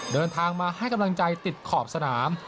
เดินทางมาให้กำลังใจติดขอบสนาม